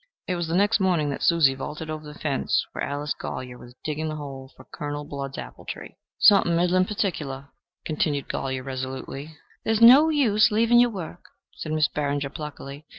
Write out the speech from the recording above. It was the next morning that Miss Susie vaulted over the fence where Allen Golyer was digging the hole for Colonel Blood's apple tree. "Something middlin' particular," continued Golyer, resolutely. "There is no use leaving your work," said Miss Barringer pluckily.